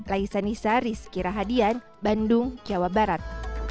laisan isaris kira hadian bandung kewa barat